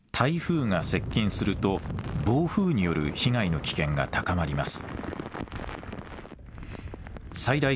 台風が接近すると暴風による被害の危険が高まります。